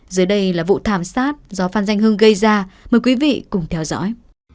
dưới đây là vụ thảm sát do phan danh hưng gây ra mời quý vị cùng theo dõi